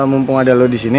mumpung ada lo disini